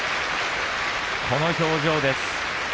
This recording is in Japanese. この表情です。